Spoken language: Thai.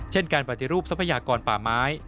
เช่นการปฏิรูปทรัพยากรป่าไม้